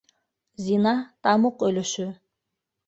Зина - тамуҡ өлөшө.